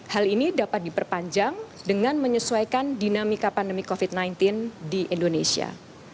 hal ini dapat diperpanjang dengan menyesuaikan dinamika pandemi covid sembilan belas di indonesia